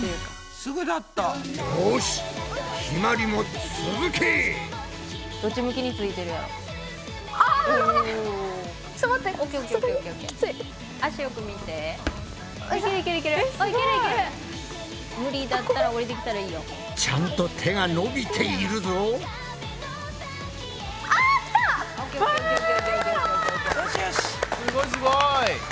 すごいすごい！